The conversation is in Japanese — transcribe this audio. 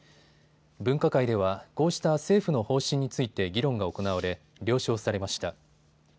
分科会ではこうした政府の方針について議論が行われ了承されました。